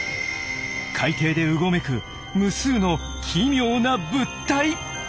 海底でうごめく無数の奇妙な物体。